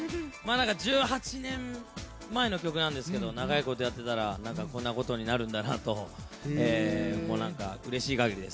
１８年前の曲なんですが長いことやっていたらこんなことになるんだなとうれしい限りです。